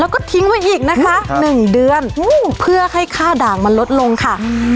แล้วก็ทิ้งไว้อีกนะคะหนึ่งเดือนเพื่อให้ค่าด่างมันลดลงค่ะ